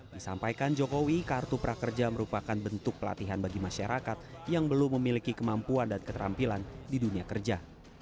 disampaikan jokowi kartu prakerja merupakan bentuk pelatihan bagi masyarakat yang belum memiliki kemampuan dan keterampilan di dunia kerja